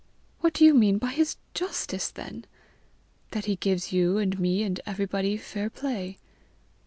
"What do you mean by his justice then?" "That he gives you and me and everybody fair play."